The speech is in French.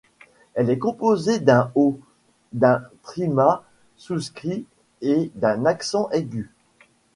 Elle est composée d’un O, d’un tréma souscrit et d’un accent aigu.